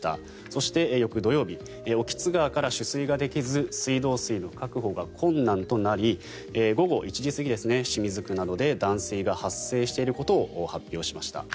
そして、翌土曜日興津川から取水ができず水道水の確保が困難となり午後１時過ぎ清水区などで断水が発生していることを発表しました。